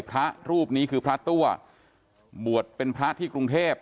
พระรูปนี้คือพระตัวบวชเป็นพระที่กรุงเทพ